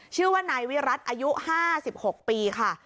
ชื่อว่านายวิรัติอายุ๕๖ปีค่ะ